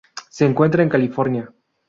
Se encuentra en California.